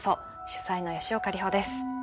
主宰の吉岡里帆です。